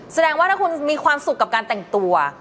แสดงว่าถ้าคุณมีความสุขกับการแต่งตัว